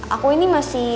aku ini masih